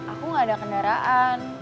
aku gak ada kendaraan